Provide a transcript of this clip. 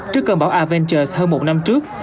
trước cơn bão avengers hơn một năm trước